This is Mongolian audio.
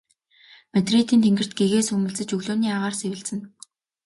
Мадридын тэнгэрт гэгээ сүүмэлзэж өглөөний агаар сэвэлзэнэ.